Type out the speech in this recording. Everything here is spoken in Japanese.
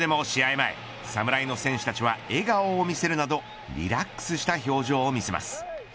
前、侍の選手たちは笑顔を見せるなどリラックスした表情を見せます。